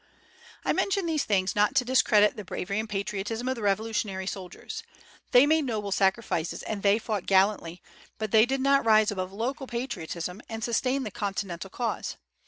I mention these things, not to discredit the bravery and patriotism of the Revolutionary soldiers. They made noble sacrifices and they fought gallantly, but they did not rise above local patriotism and sustain the Continental cause.